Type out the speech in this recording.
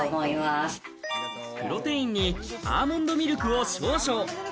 プロテインにアーモンドミルクを少々。